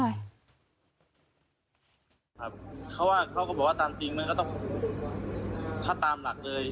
ครับเขาว่าเขาก็บอกว่าตามจริงมันก็ต้องถ้าตามหลักเลย